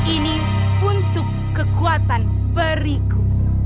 ini untuk kekuatan periku